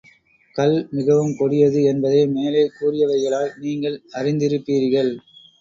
கள் மிகவுங் கொடியது என்பதை மேலே கூறியவைகளால் நீங்கள் அறிந்திருப்பீர்கள்.